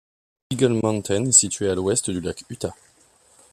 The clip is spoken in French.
Eagle Mountain est située à l'ouest du lac Utah.